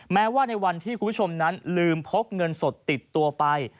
แม้ว่าในวันที่คุณผู้ชมนั้นลืมพกเงินสดติดตัวไป